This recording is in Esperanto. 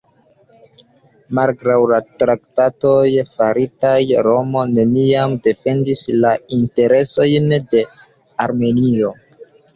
Malgraŭ la traktadoj faritaj, Romo neniam defendis la interesojn de Armenio.